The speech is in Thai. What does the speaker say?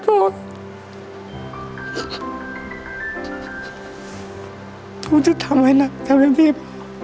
ผมจะทำให้หนักทำให้พลีบ